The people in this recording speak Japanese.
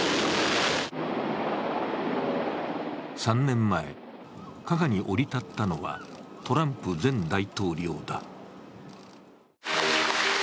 ３年前、「かが」に降り立ったのはトランプ前大統領だ。